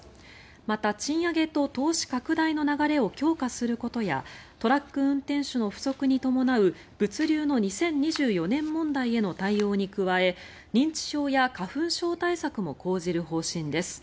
また、賃上げと投資拡大の流れを強化することやトラック運転手の不足に伴う物流の２０２４年問題への対応に加え認知症や花粉症対策も講じる方針です。